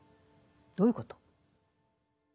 どういうこと？